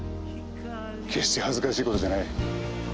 決して恥ずかしいことじゃない。